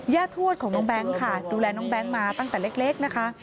ทวดของน้องแบงค์ค่ะดูแลน้องแบงค์มาตั้งแต่เล็กนะคะ